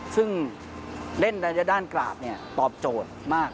ซึ่งเล่นระยะด้านกราบตอบโจทย์มาก